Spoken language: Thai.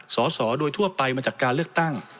สอสอโดยทั่วไปมาจากการเลือกตั้ง